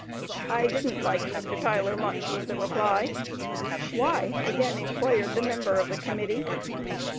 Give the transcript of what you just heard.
"I didn't like Mr. Tyler much," was the reply. "Why?" again inquired the member of the Committee.